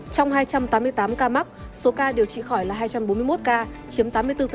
trong hai trăm tám mươi tám ca mắc số ca điều trị khỏi là hai trăm bốn mươi một ca chiếm tám mươi bốn